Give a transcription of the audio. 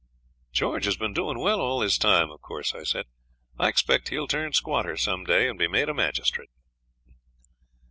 'George has been doing well all this time, of course,' I said. 'I expect he'll turn squatter some day and be made a magistrate.'